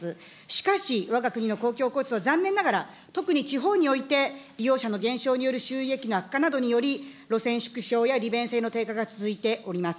しかし、わが国の公共交通は残念ながら、特に地方において、利用者の減少による収益の悪化などにより、路線縮小や利便性の低下が続いております。